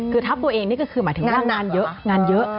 คือทับตัวเองนี่ก็คือหมายถึงว่างานเยอะงานเยอะ